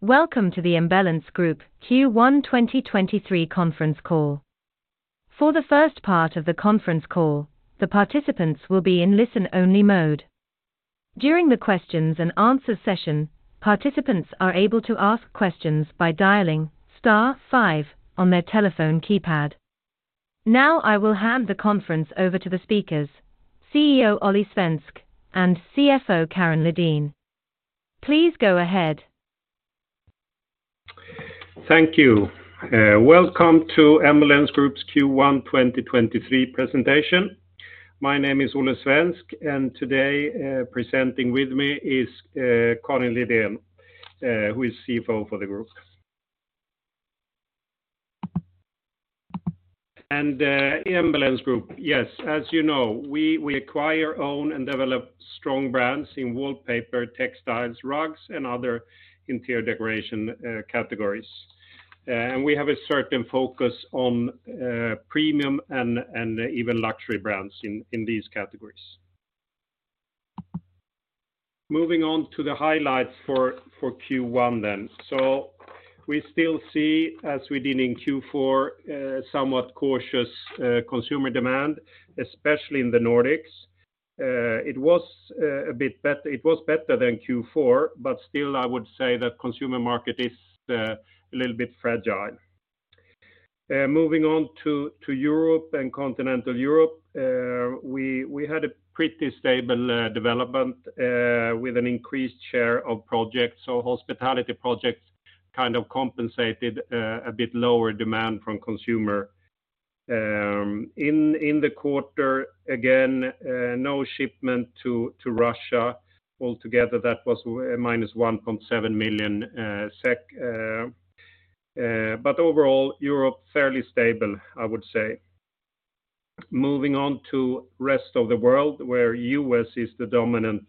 Welcome to the Embellence Group Q1 2023 conference call. For the first part of the conference call, the participants will be in listen-only mode. During the questions and answers session, participants are able to ask questions by dialing star five on their telephone keypad. Now I will hand the conference over to the speakers, CEO Olle Svensk and CFO Karin Lidén. Please go ahead. Thank you. Welcome to Embellence Group's Q1 2023 presentation. My name is Olle Svensk, and today, presenting with me is Karin Lidén, who is CFO for the group. Embellence Group. Yes, as you know, we acquire, own, and develop strong brands in wallpaper, textiles, rugs, other interior decoration categories. And we have a certain focus on premium and even luxury brands in these categories. Moving on to the highlights for Q1 then. We still see, as we did in Q4, somewhat cautious consumer demand, especially in the Nordics. It was better than Q4, but still I would say that consumer market is a little bit fragile. Moving on to Europe and Continental Europe. We had a pretty stable development with an increased share of projects. Hospitality projects kind of compensated a bit lower demand from consumer. In the quarter, again, no shipment to Russia. Altogether, that was minus 1.7 million SEK. Overall, Europe fairly stable, I would say. Moving on to rest of the world, where U.S. is the dominant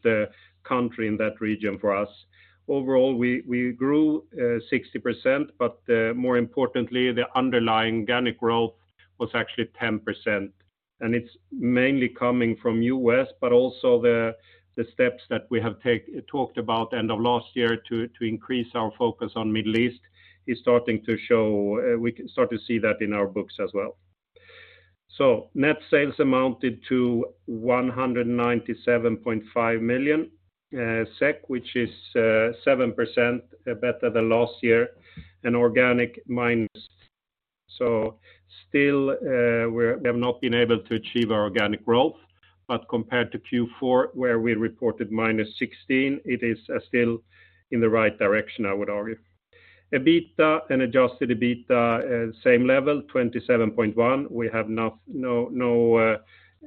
country in that region for us. Overall, we grew 60%, more importantly, the underlying organic growth was actually 10%. It's mainly coming from U.S., also the steps that we have talked about end of last year to increase our focus on Middle East is starting to show. We can start to see that in our books as well. Net sales amounted to 197.5 million SEK, which is 7% better than last year and organic minus. Still, we have not been able to achieve our organic growth, but compared to Q4, where we reported -16, it is still in the right direction, I would argue. EBITDA and adjusted EBITDA, same level, 27.1. We have not no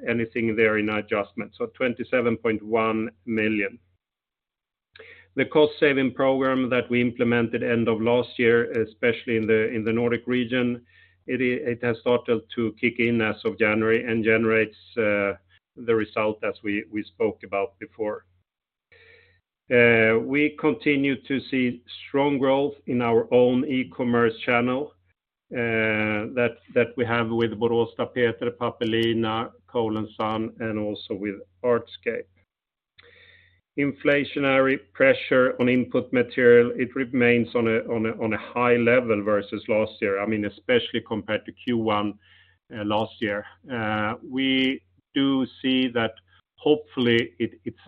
anything there in our adjustments. 27.1 million. The cost-saving program that we implemented end of last year, especially in the Nordic region, it has started to kick in as of January and generates the result as we spoke about before. We continue to see strong growth in our own e-commerce channel, that we have with Boråstapeter, Pappelina, Cole & Son, and also with Artscape. Inflationary pressure on input material, it remains on a high level versus last year. I mean, especially compared to Q1 last year. We do see that hopefully it's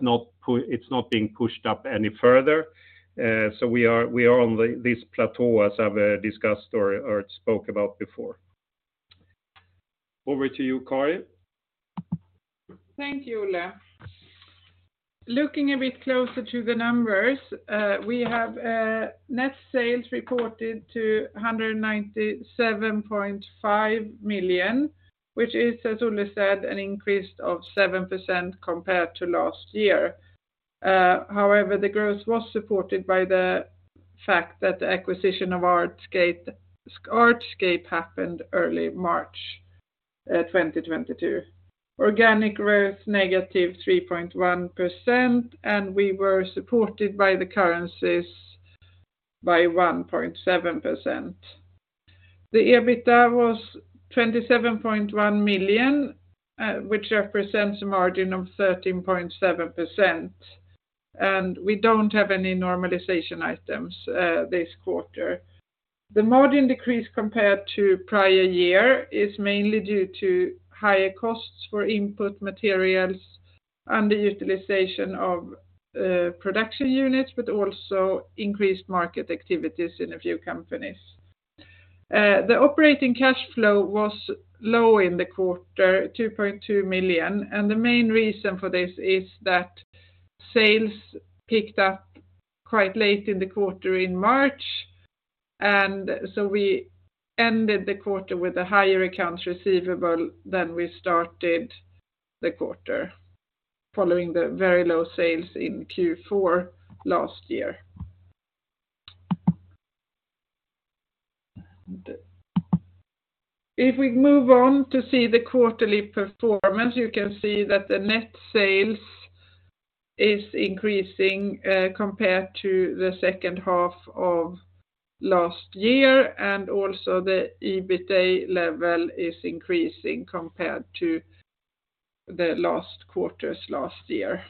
not being pushed up any further. We are on this plateau as I've discussed or spoke about before. Over to you, Karin. Thank you, Olle. Looking a bit closer to the numbers, we have net sales reported to 197.5 million, which is, as Olle said, an increase of 7% compared to last year. However, the growth was supported by the fact that the acquisition of Artscape happened early March 2022. Organic growth negative 3.1%, and we were supported by the currencies by 1.7%. The EBITDA was 27.1 million, which represents a margin of 13.7%, and we don't have any normalization items this quarter. The margin decrease compared to prior year is mainly due to higher costs for input materials, underutilization of production units, but also increased market activities in a few companies. The operating cash flow was low in the quarter, 2.2 million, and the main reason for this is that sales picked up quite late in the quarter in March. We ended the quarter with a higher accounts receivable than we started the quarter following the very low sales in Q4 last year. If we move on to see the quarterly performance, you can see that the net sales is increasing compared to the second half of last year, and also the EBITA level is increasing compared to the last quarters last year.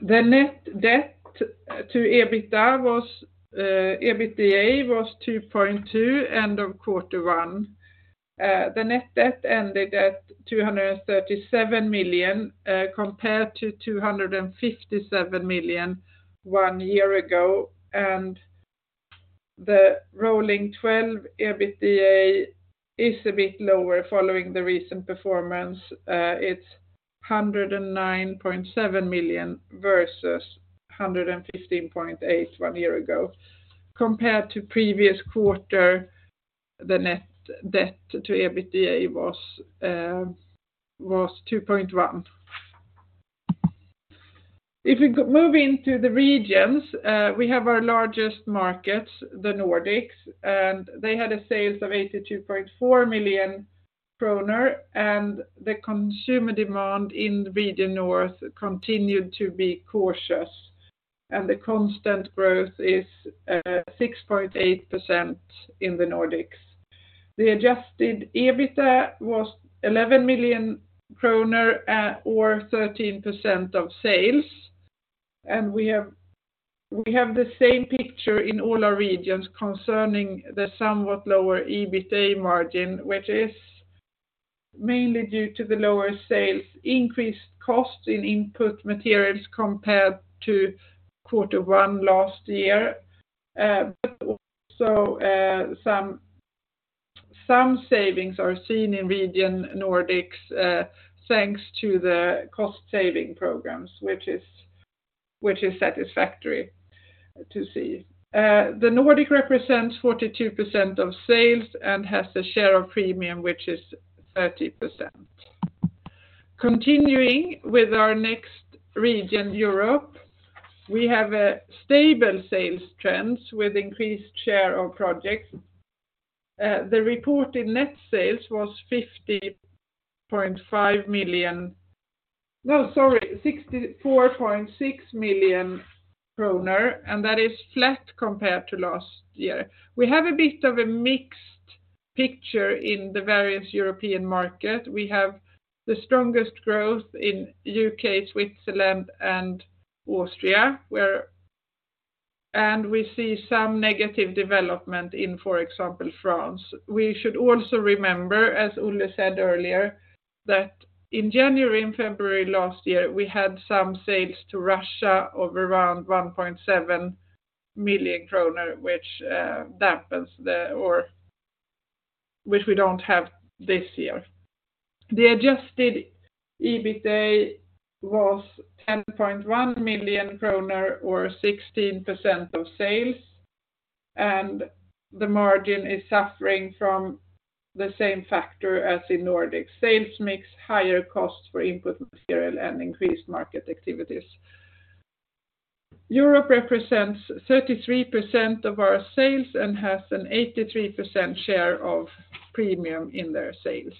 The net debt to EBITDA was 2.2 end of quarter one. The net debt ended at 237 million compared to 257 million one year ago. The rolling twelve EBITDA is a bit lower following the recent performance. It's 109.7 million versus 115.8 one year ago. Compared to previous quarter, the net debt to EBITDA was 2.1. If we move into the regions, we have our largest markets, the Nordics. They had a sales of 82.4 million kronor. The consumer demand in the region North continued to be cautious. The constant growth is 6.8% in the Nordics. The adjusted EBITDA was 11 million kronor, or 13% of sales. We have the same picture in all our regions concerning the somewhat lower EBITDA margin, which is mainly due to the lower sales, increased cost in input materials compared to Q1 last year. Also, some savings are seen in region Nordics, thanks to the cost saving programs, which is satisfactory to see. The Nordics represents 42% of sales and has a share of premium which is 30%. Continuing with our next region, Europe, we have a stable sales trends with increased share of projects. The reported net sales was 64.6 million, that is flat compared to last year. We have a bit of a mixed picture in the various European market. We have the strongest growth in UK, Switzerland, and Austria, we see some negative development in, for example, France. We should also remember, as Olle said earlier, that in January and February last year, we had some sales to Russia of around 1.7 million kronor, which dampens or which we don't have this year. The adjusted EBITDA was 10.1 million kronor or 16% of sales, and the margin is suffering from the same factor as in Nordics. Sales mix higher costs for input material and increased market activities. Europe represents 33% of our sales and has an 83% share of premium in their sales.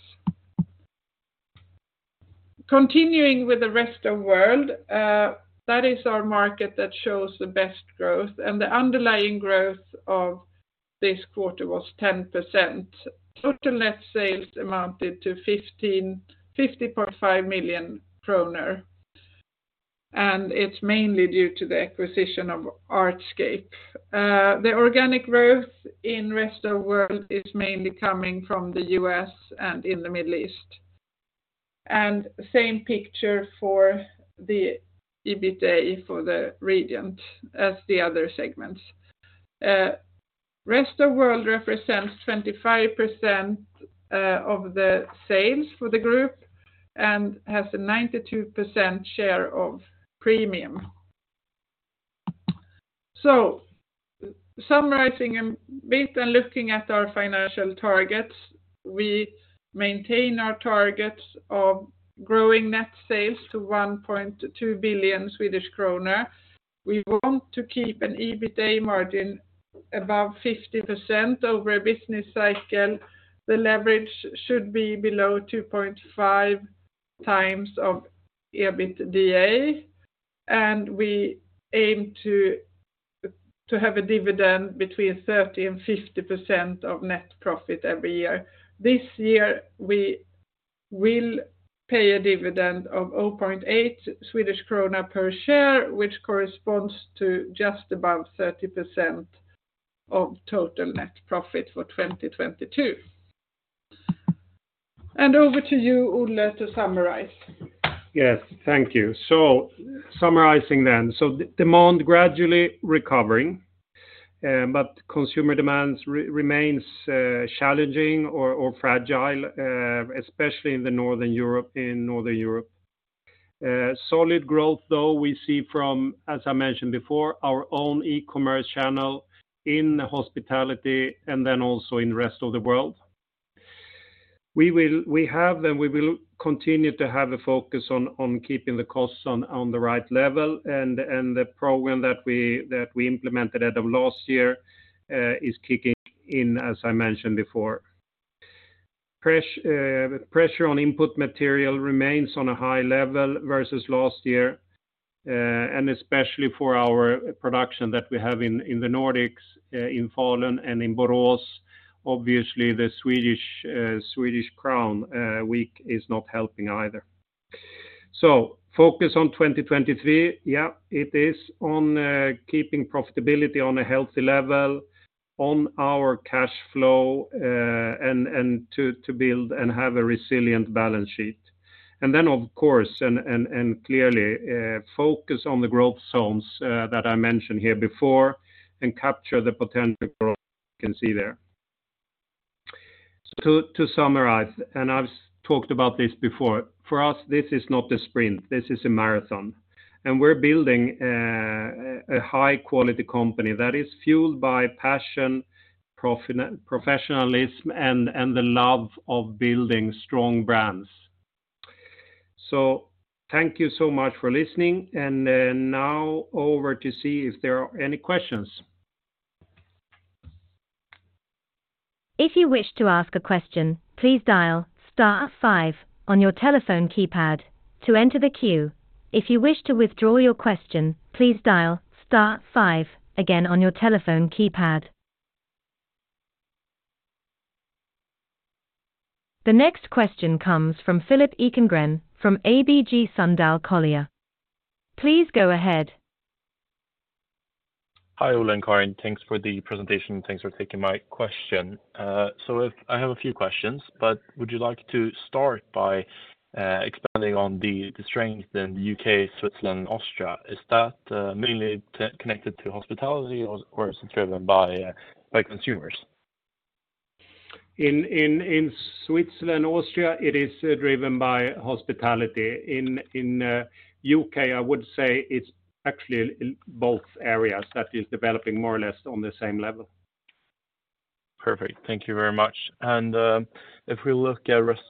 Continuing with the rest of world, that is our market that shows the best growth, and the underlying growth of this quarter was 10%. Total net sales amounted to 50.5 million kronor, and it's mainly due to the acquisition of Artscape. The organic growth in rest of world is mainly coming from the US and in the Middle East. Same picture for the EBITDA for the region as the other segments. Rest of world represents 25% of the sales for the group and has a 92% share of premium. Summarizing a bit and looking at our financial targets, we maintain our targets of growing net sales to 1.2 billion Swedish kronor. We want to keep an EBITDA margin above 50% over a business cycle. The leverage should be below 2.5 times of EBITDA, and we aim to have a dividend between 30% and 50% of net profit every year. This year, we will pay a dividend of 0.8 Swedish krona per share, which corresponds to just above 30% of total net profit for 2022. Over to you, Olle, to summarize. Yes. Thank you. Summarizing then. Demand gradually recovering, but consumer demands remains challenging or fragile, especially in Northern Europe. Solid growth, though, we see from, as I mentioned before, our own e-commerce channel in hospitality and also in rest of the world. We have then, we will continue to have a focus on keeping the costs on the right level and the program that we implemented at the last year, is kicking in, as I mentioned before. Pressure on input material remains on a high level versus last year. And especially for our production that we have in the Nordics, in Falun and in Borås. Obviously, the Swedish, Swedish Crown weak is not helping either. Focus on 2023. Yeah, it is on keeping profitability on a healthy level, on our cash flow, and to build and have a resilient balance sheet. Of course, and clearly, focus on the growth zones that I mentioned here before and capture the potential growth you can see there. To summarize, and I've talked about this before. For us, this is not a sprint, this is a marathon. We're building a high quality company that is fueled by passion, professionalism, and the love of building strong brands. Thank you so much for listening. Now over to see if there are any questions. If you wish to ask a question, please dial star five on your telephone keypad to enter the queue. If you wish to withdraw your question, please dial star five again on your telephone keypad. The next question comes from Philip Ekengren from ABG Sundal Collier. Please go ahead. Hi, Olle and Karin. Thanks for the presentation. Thanks for taking my question. I have a few questions, but would you like to start by expanding on the strength in the UK, Switzerland, and Austria? Is that mainly connected to hospitality or is it driven by consumers? In Switzerland, Austria, it is driven by hospitality. In U.K., I would say it's actually in both areas that is developing more or less on the same level. Perfect. Thank you very much. If we look at rest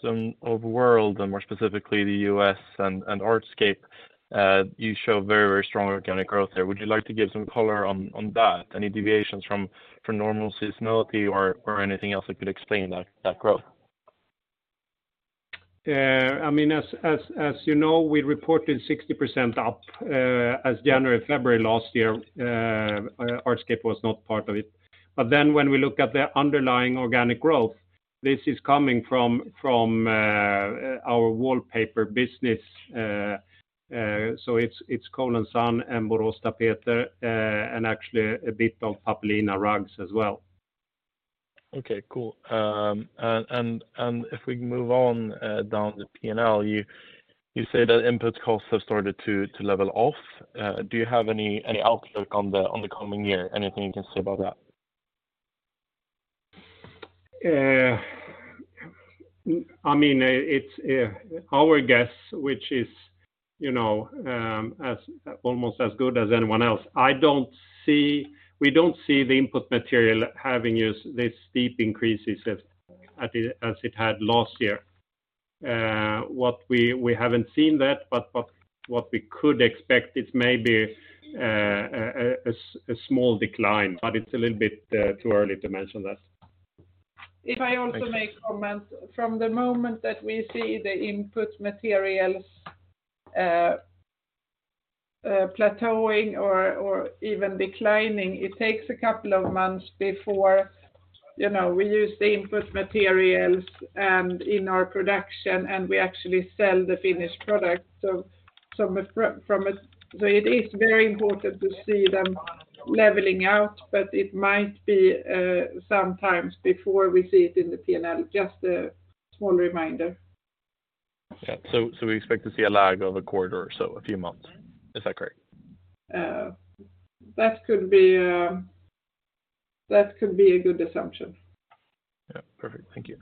of world and more specifically the U.S. and Artscape, you show very, very strong organic growth there. Would you like to give some color on that? Any deviations from normal seasonality or anything else that could explain that growth? I mean, as you know, we reported 60% up as January, February last year, Artscape was not part of it. When we look at the underlying organic growth, this is coming from our wallpaper business. It's Cole & Son and Boråstapeter, and actually a bit of Pappelina rugs as well. Okay, cool. If we move on, down the P&L, you say that input costs have started to level off. Do you have any outlook on the coming year? Anything you can say about that? I mean, it's our guess, which is, you know, as almost as good as anyone else. We don't see the input material having as this steep increases as it had last year. What we haven't seen that, but what we could expect is maybe a small decline, but it's a little bit too early to mention that. If I also make comments. From the moment that we see the input materials, plateauing or even declining, it takes a couple of months before, you know, we use the input materials and in our production, and we actually sell the finished product. It is very important to see them leveling out, but it might be some time before we see it in the P&L. Just a small reminder. Yeah. We expect to see a lag of a quarter or so, a few months. Is that correct? That could be. That could be a good assumption. Yeah. Perfect. Thank you.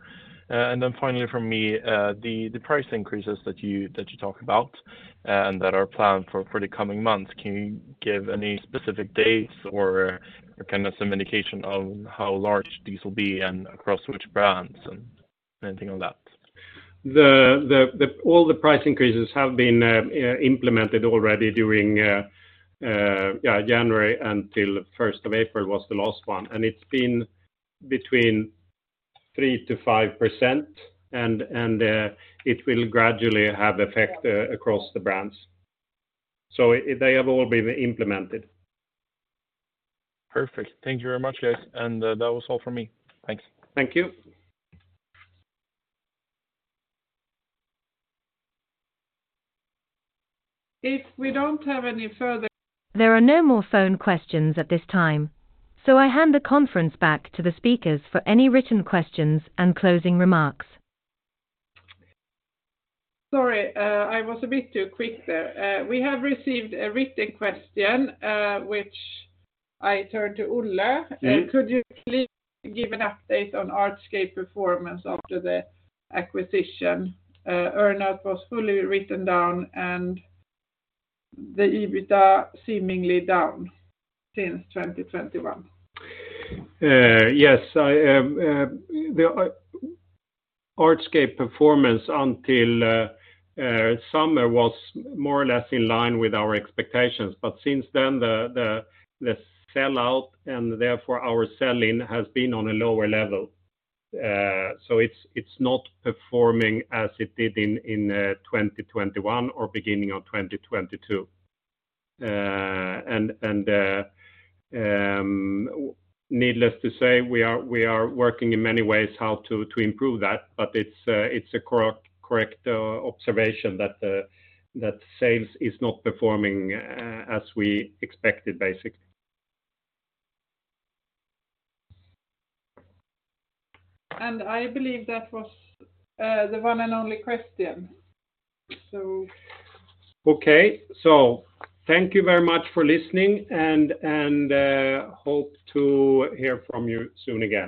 Finally from me, the price increases that you talk about and that are planned for the coming months, can you give any specific dates or kind of some indication of how large these will be and across which brands and anything on that? All the price increases have been implemented already during, yeah, January until first of April was the last one, and it's been between 3%-5%, and it will gradually have effect across the brands. They have all been implemented. Perfect. Thank you very much, guys. That was all for me. Thanks. Thank you. If we don't have any further- There are no more phone questions at this time, so I hand the conference back to the speakers for any written questions and closing remarks. Sorry, I was a bit too quick there. We have received a written question, which I turn to Olle. Mm-hmm. Could you please give an update on Artscape performance after the acquisition? Earnout was fully written down and the EBITDA seemingly down since 2021. Yes. I. The Artscape performance until summer was more or less in line with our expectations. Since then the sell out and therefore our sell in has been on a lower level. It's not performing as it did in 2021 or beginning of 2022. Needless to say, we are working in many ways how to improve that, but it's a correct observation that sales is not performing as we expected, basically. I believe that was the one and only question. Okay. Thank you very much for listening and, hope to hear from you soon again.